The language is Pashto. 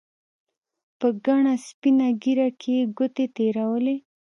په گڼه سپينه ږيره کښې يې گوتې تېرولې.